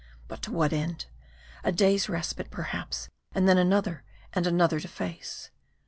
"But to what end? A day's respite, perhaps, and then another, and another to face."